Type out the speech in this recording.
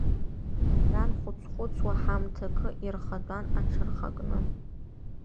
Ран хәыц-хәыцуа ҳамҭакы, ирхатәан аҽырхакны.